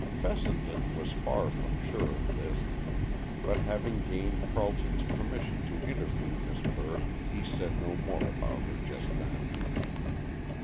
Fessenden was far from sure of this, but, having gained Carleton's permission to interview Miss Burt, he said no more about her just then.